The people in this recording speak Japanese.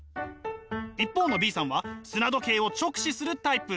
一方のＢさんは砂時計を直視するタイプ。